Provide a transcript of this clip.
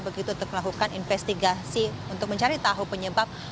begitu untuk melakukan investigasi untuk mencari tahu penyebab